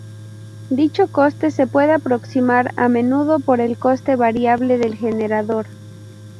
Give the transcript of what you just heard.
Dicho coste se puede aproximar a menudo por el coste variable del generador.